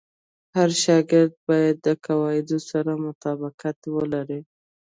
هر شاګرد باید د قواعدو سره مطابقت ولري.